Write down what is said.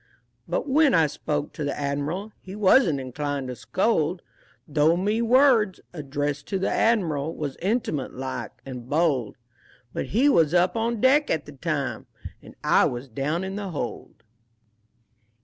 But when I spoke to the Admiral He wasn't inclined to scold, Though me words, addressed to the Admiral, Was intimate like and bold, (But he was up on deck at the time And I was down in the hold).